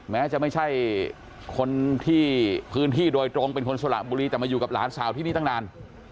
แม้จะไม่ใช่คนที่พื้นที่โดยตรงเป็นคนสละบุรีแต่มาอยู่กับหลานสาวที่นี่ตั้งนาน